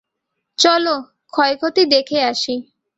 চলো, ক্ষয়ক্ষতি দেখে আসি!